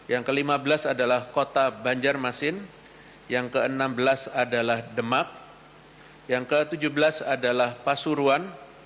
yang kelima belas adalah kota banjarmasin yang keenam belas adalah demak yang ketujuh belas adalah pasuruan